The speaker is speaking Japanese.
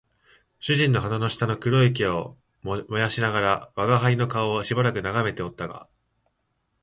主人は鼻の下の黒い毛を撚りながら吾輩の顔をしばらく眺めておったが、